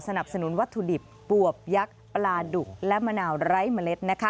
สนับสนุนวัตถุดิบปวบยักษ์ปลาดุกและมะนาวไร้เมล็ด